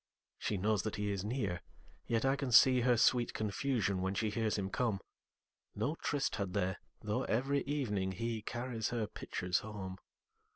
She knows that he is near, yet I can seeHer sweet confusion when she hears him come.No tryst had they, though every evening heCarries her pitchers home.